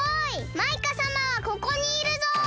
マイカさまはここにいるぞ！